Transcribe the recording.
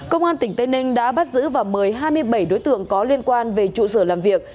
công an tỉnh tây ninh đã bắt giữ và mời hai mươi bảy đối tượng có liên quan về trụ sở làm việc